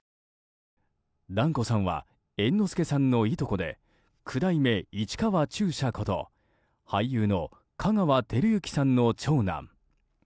團子さんは猿之助さんのいとこで九代目市川中車こと俳優の香川照之さんの長男。